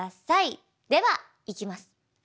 ではいきます。